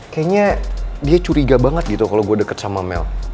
kayaknya dia curiga banget gitu kalau gue deket sama mel